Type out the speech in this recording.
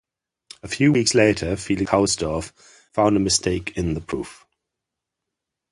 A few weeks later, Felix Hausdorff found a mistake in the proof.